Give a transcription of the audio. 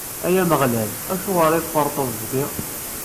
Ay Ameɣlal, acuɣer i tferṭeḍ deg-i?